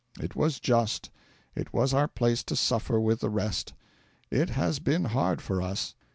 It was just; it was our place to suffer with the rest. It has been hard for us.